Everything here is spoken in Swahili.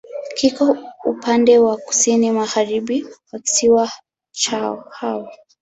Kiko upande wa kusini-magharibi wa kisiwa cha Hao.